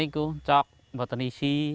ini coba tidak isi